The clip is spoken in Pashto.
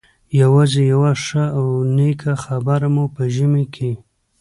یوازې یوه ښه او نېکه خبره مو په ژمي کې.